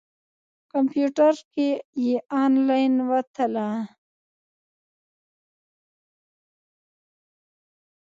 کمپیوټر کې یې انلاین وتله.